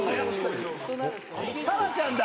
沙羅ちゃんだ！